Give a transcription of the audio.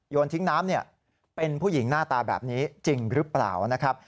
ทิ้งน้ำเป็นผู้หญิงหน้าตาแบบนี้จริงหรือเปล่านะครับ